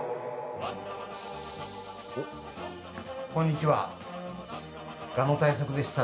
こんにちは。